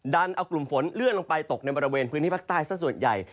ดันเอากลุ่มฝนเลื่อนลงไปตกในบริเวณพื้นที่ภาคใต้สักส่วนใหญ่